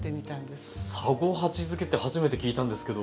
三五八漬けって初めて聞いたんですけど。